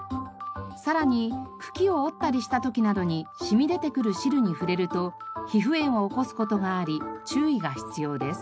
さらに茎を折ったりした時などに染み出てくる汁に触れると皮膚炎を起こす事があり注意が必要です。